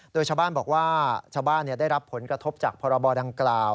โดยชาวบ้านบอกว่าชาวบ้านได้รับผลกระทบจากพรบดังกล่าว